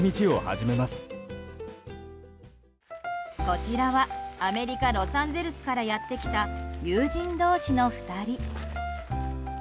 こちらはアメリカ・ロサンゼルスからやってきた友人同士の２人。